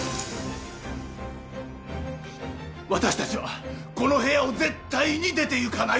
私たちはこの部屋を絶対に出ていかない！